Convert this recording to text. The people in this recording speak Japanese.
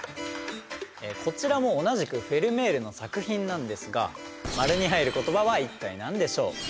こちらも同じくフェルメールの作品なんですが○に入る言葉は一体何でしょう。